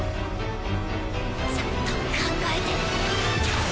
ちゃんと考えて